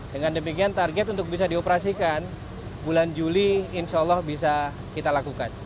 dengan demikian target untuk bisa dioperasikan bulan juli insya allah bisa kita lakukan